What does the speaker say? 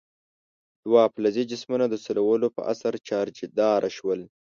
دوه فلزي جسمونه د سولولو په اثر چارجداره شول.